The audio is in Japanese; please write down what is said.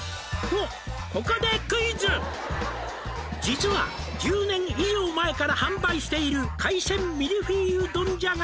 「実は１０年以上前から販売している」「海鮮ミルフィーユ丼じゃが」